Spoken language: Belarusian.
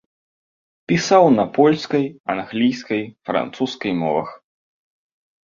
Пісаў на польскай, англійскай, французскай мовах.